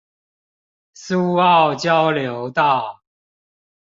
蘇澳交流道